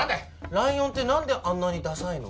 ライオンってなんであんなにダサいの？